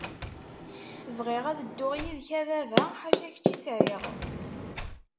Bɣiɣ ad dduɣ yid-k a baba, ḥaca kečč i sɛiɣ.